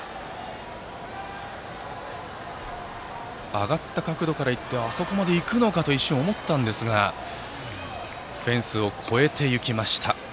上がった角度からいってあそこまで行くのかと一瞬思ったんですがフェンスを越えていきました。